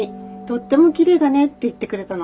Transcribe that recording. とってもきれいだね』っていってくれたの。